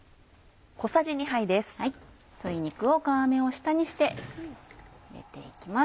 鶏肉を皮目を下にして入れて行きます。